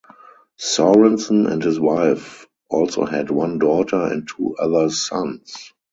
Sorensen and his wife also had one daughter and two other sons.